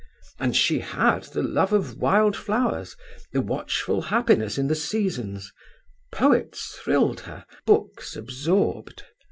And she had the love of wild flowers, the watchful happiness in the seasons; poets thrilled her, books absorbed.